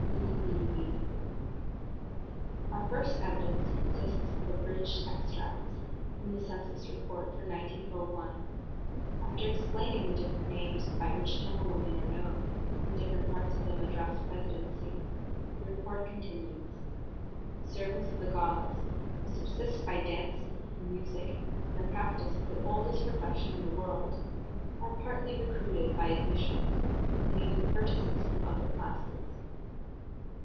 E. B. B. OUR first evidence consists of abridged extracts from the Census Report for 1901. After explaining the different names by which Temple women are known in different parts of the Madras Presidency, the Report continues: "The servants of the gods, who subsist by dancing and music and the practice of 'the oldest profession in the world,' are partly recruited by admissions and even purchases from other classes.